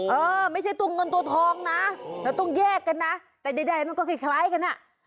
เออไม่ใช่ตัวเงินตัวทองนะเราต้องแยกกันนะแต่ใดมันก็คล้ายกันอ่ะ